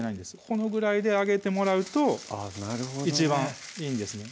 このぐらいであげてもらうと一番いいんですね